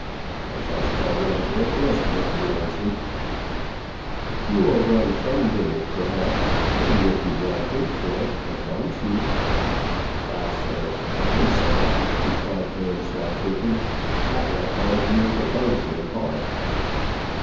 "I shall still run a great risk, Mr Ramsay." "You will run some little perhaps, but you will be well paid for it, I promise you." "Well, sir, I consent," replied Vanslyperken. "At what hour do you propose to embark?"